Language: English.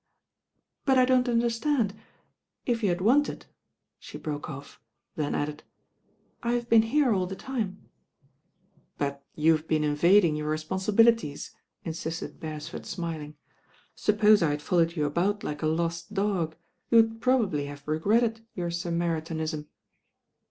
"But I don't understand. If you had wanted '* She broke off, then added, "I have been here aU the time." "But you have been evading your responsibilities," msisted Beresford smiling. "Suppose I had followed you about like a lost dog, you would probably have regretted your Samaritanism."